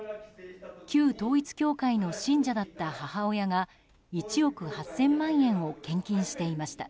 旧統一教会の信者だった母親が１億８０００万円を献金していました。